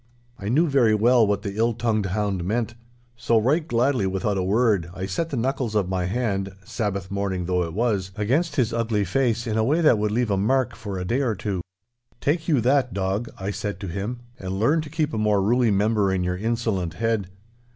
I knew very well what the ill tongued hound meant. So right gladly without a word I set the knuckles of my hand, Sabbath morning though it was, against his ugly face in a way that would leave a mark for a day or two. 'Take you that, dog,' I said to him, 'and learn to keep a more ruly member in your insolent head.